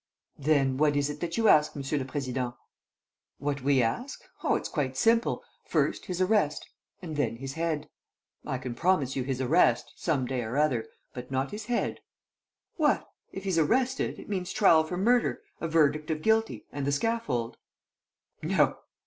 "Then what is it that you ask, Monsieur le Président?" "What we ask? Oh, it's quite simple! First, his arrest and then his head!" "I can promise you his arrest, some day or another, but not his head." "What! If he's arrested, it means trial for murder, a verdict of guilty, and the scaffold." "No!"